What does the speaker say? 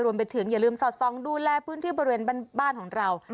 รวมไปถึงอย่าลืมสอดทรองดูแลพื้นที่บริเวณบ้านของเรา